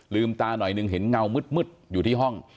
ตาหน่อยหนึ่งเห็นเงามืดอยู่ที่ห้อง